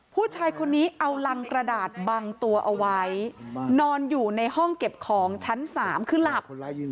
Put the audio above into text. ผู้ชายคนนี้เอารังกระดาษบังตัวเอาไว้นอนอยู่ในห้องเก็บของชั้น๓คือหลับ